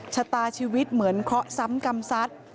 ชะตาชีวิตเหมือนเคราะห์ซ้ำกำซัด